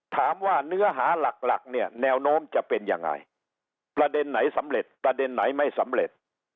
ถามว่าเนื้อหาหลักหลักเนี่ยแนวโน้มจะเป็นยังไงประเด็นไหนสำเร็จประเด็นไหนไม่สำเร็จ